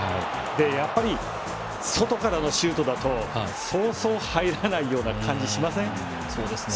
やっぱり外からのシュートだとそうそう入らないような感じがしません？